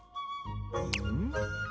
うん？